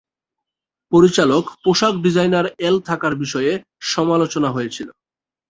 পরিচালক, পোশাক ডিজাইনার এল থাকার বিষয়ে সমালোচনা হয়েছিল।